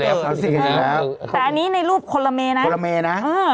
แต่อันนี้ในรูปคนละเมนะ